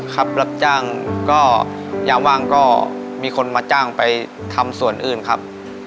ครับรับจ้างก็ยามว่างก็มีคนมาจ้างไปทำส่วนอื่นครับ